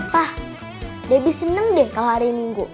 pah debi seneng deh kalau hari minggu